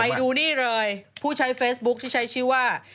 ไปดูนี่เลยผู้ใช้เฟซบุ๊คที่ใช้ชื่อว่า